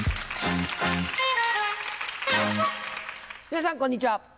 皆さんこんにちは。